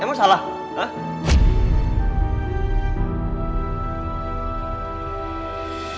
dia pula mau ambil mona